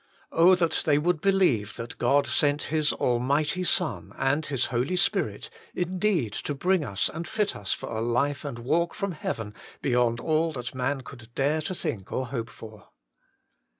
Oh that they would believe 96 THE MINISTRY OF INTERCESSION that God sent His Almighty Son, and His Holy Spirit, indeed to bring us and fit us for a life and walk from heaven beyond all that man could dare to think or hope for.